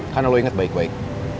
karena lo inget baik baik